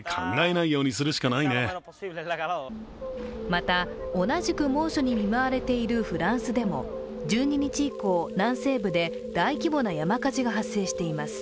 また、同じく猛暑に見舞われているフランスでも１２日以降、南西部で大規模な山火事が発生しています。